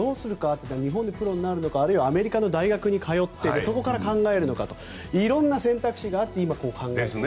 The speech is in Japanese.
日本のプロになるかあるいはアメリカの大学に通ってそこから考えるのかとかいろいろ選択肢があります。